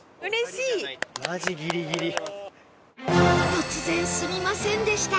突然すみませんでした。